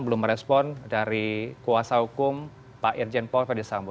belum merespon dari kuasa hukum pak erjen paul ferdisambu